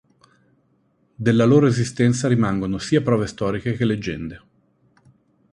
Della loro esistenza rimangono sia prove storiche che leggende.